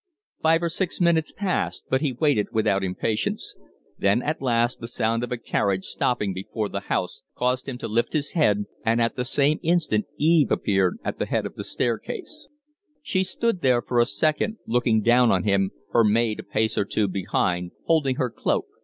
Five or six minutes passed, but he waited without impatience; then at last the sound of a carriage stopping before the house caused him to lift his head, and at the same instant Eve appeared at the head of the staircase. She stood there for a second, looking down on him, her maid a pace or two behind, holding her cloak.